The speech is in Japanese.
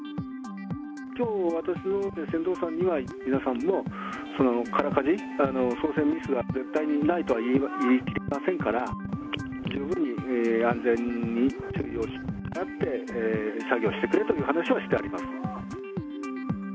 きょう、私のほうで船頭さんには、皆さんも空かじ、操船ミスは絶対にないとは言い切れませんから、十分に安全に注意を払って作業してくれという話はしてあります。